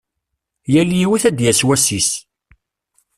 Yal yiwet ad d-yas wass-is.